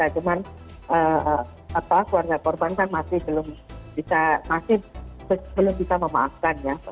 cuma keluarga korban kan masih belum bisa memaafkan